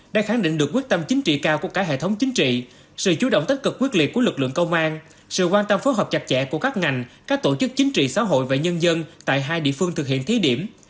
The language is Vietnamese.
đã khẳng định được quyết tâm chính trị cao của cả hệ thống chính trị sự chú động tích cực quyết liệt của lực lượng công an sự quan tâm phối hợp chặt chẽ của các ngành các tổ chức chính trị xã hội và nhân dân tại hai địa phương thực hiện thí điểm